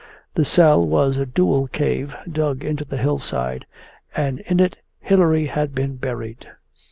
The cell was a dual cave, dug into the hillside, and in it Hilary had been buried.